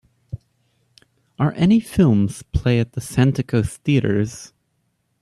Are any films play at the Santikos Theatres